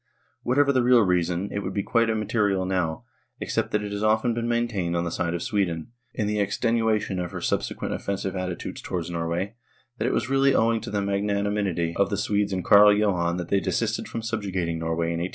Whatever the real reason, it would be quite imma terial now, except that it has often been maintained on the side of Sweden, in extenuation of her subse quent offensive attitude towards Norway, that it was really owing to the magnanimity of the Swedes and Carl Johan that they desisted from subjugating Norway in I8I4.